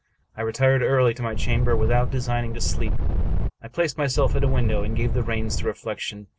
I retired early to my chamber, without designing to sleep. I placed myself at a window, and gave the reins to reflection.